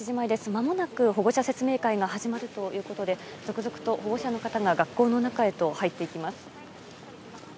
まもなく保護者説明会が始まるということで続々と保護者の方が学校の中へと入っていきます。